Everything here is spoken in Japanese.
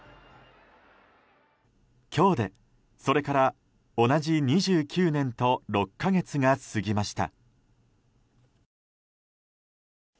今日で、それから同じ２９年と６か月が過ぎました。